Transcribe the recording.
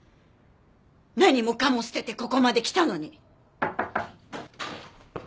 何もかも捨ててここまできたのに！